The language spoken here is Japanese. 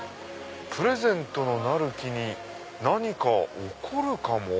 プレゼントのなる木に何か起こるかも⁉」。